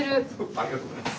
ありがとうございます。